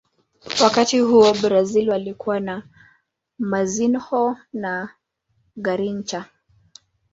Wakati huo brazil walikuwa na mazinho na garincha